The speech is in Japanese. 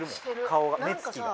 顔が目つきが。